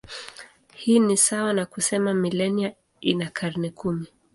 Hii ni sawa na kusema milenia ina karne kumi.